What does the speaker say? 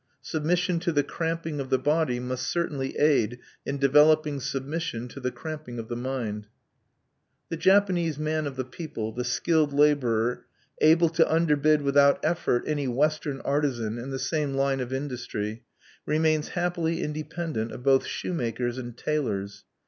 Submission to the cramping of the body must certainly aid in developing submission to the cramping of the mind. The Japanese man of the people the skilled laborer able to underbid without effort any Western artisan in the same line of industry remains happily independent of both shoemakers and tailors.